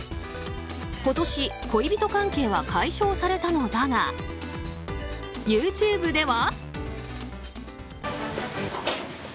今年、恋人関係は解消されたのだがＹｏｕＴｕｂｅでは。